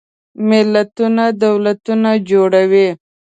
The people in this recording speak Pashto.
ملتونه دولتونه جوړوي.